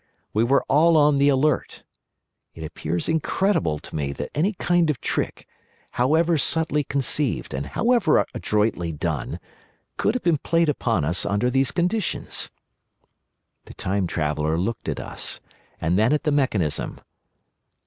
We were all on the alert. It appears incredible to me that any kind of trick, however subtly conceived and however adroitly done, could have been played upon us under these conditions. The Time Traveller looked at us, and then at the mechanism.